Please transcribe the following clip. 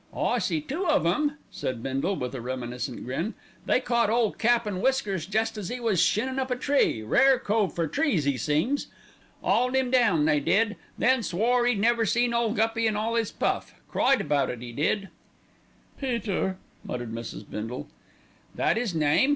"I see two of 'em," said Bindle with a reminiscent grin. "They caught Ole Cap an' Whiskers jest as 'e was shinnin' up a tree rare cove for trees 'e seems. 'Auled 'im down they did. Then 'e swore 'e'd never seen ole Guppy in all 'is puff, cried about it, 'e did." "Peter!" muttered Mrs. Bindle. "That 'is name?"